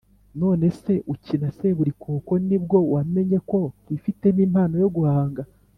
none se ukina seburikoko ni bwo wamenye ko wifitemo impano yo guhanga?